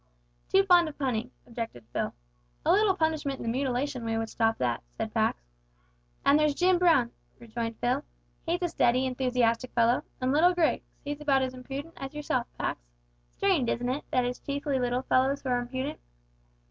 "Too fond of punning," objected Phil. "A little punishment in the mutilation way would stop that," said Pax. "And there's Jim Brown," rejoined Phil. "He's a steady, enthusiastic fellow; and little Grigs, he's about as impudent as yourself, Pax. Strange, isn't it, that it's chiefly little fellows who are impudent?"